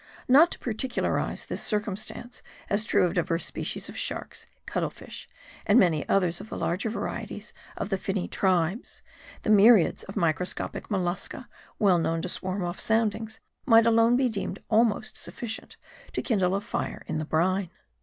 Not to particularize this circum stance as true of divers species of sharks, cuttle fish, and many others of the larger varieties of the finny tribes ; the myriads of microscopic mollusca, well known to swarm off soundings, might alone be deemed almost sufficient to kindle a fire in the brine.